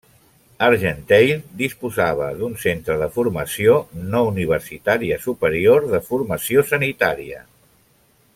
Argenteuil disposava d'un centre de formació no universitària superior de formació sanitària.